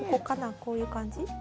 こういう感じ？